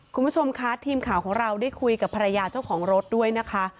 คุณผู้ชมคะทีมข่าวของเราได้คุยกับภรรยาเจ้าของรถด้วยนะคะ